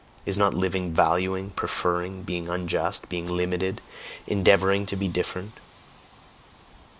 Is not living valuing, preferring, being unjust, being limited, endeavouring to be different?